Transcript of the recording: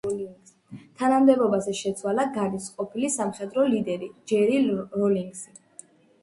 თანამდებობაზე შეცვალა განის ყოფილი სამხედრო ლიდერი ჯერი როლინგსი.